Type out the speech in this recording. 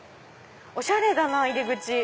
おしゃれだなぁ入り口